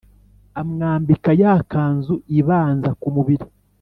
Amwambika ya kanzu ibanza ku mubiri